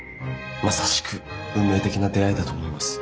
まさしく運命的な出会いだと思います。